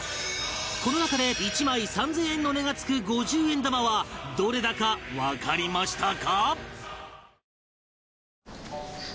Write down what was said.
この中で１枚３０００円の値がつく５０円玉はどれだかわかりましたか？